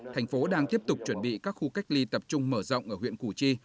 thành phố đang tiếp tục chuẩn bị các khu cách ly tập trung mở rộng ở huyện củ chi